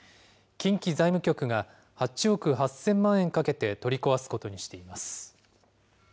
近畿財務局が８億８０００万円かけて取り壊すことにしています。